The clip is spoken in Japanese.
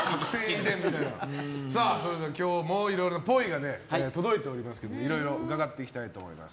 それでは今日もいろいろっぽいが届いておりますのでいろいろ伺っていきたいと思います。